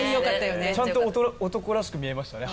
ちゃんと男らしく見えましたね